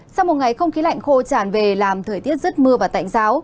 sau một ngày không khí lạnh khô tràn về làm thời tiết rất mưa và tạnh giáo